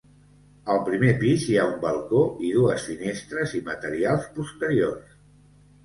Al primer pis hi ha un balcó i dues finestres i materials posteriors.